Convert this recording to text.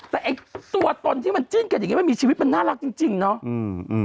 แต่ไอ้ตัวตนที่มันจิ้นกันอย่างเงี้มันมีชีวิตมันน่ารักจริงจริงเนาะอืม